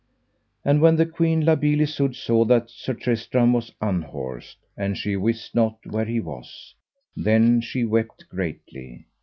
And when the queen La Beale Isoud saw that Sir Tristram was unhorsed, and she wist not where he was, then she wept greatly.